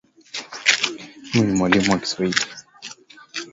Mimi ni mwalimu wa kiswahili